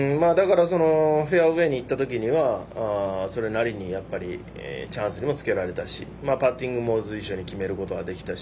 フェアウエーにいったときには、それなりにチャンスにもつけられたしパッティングも随所に決めることができたし。